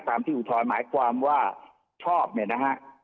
ที่อุทธรณ์หมายความว่าชอบเนี่ยนะฮะ